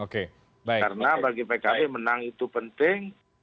karena direka film menang itu penting